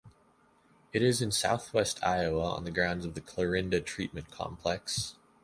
It is in southwest Iowa on the grounds of the Clarinda Treatment Complex.